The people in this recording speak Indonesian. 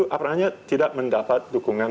apa namanya tidak mendapat dukungan